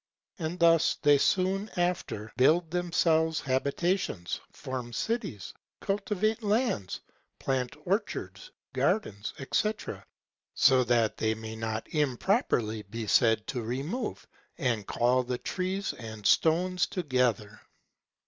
And thus they soon after build themselves habitations, form cities, cultivate lands, plant orchards, gardens, &c. So that they may not improperly be said to remove and call the trees and stones together.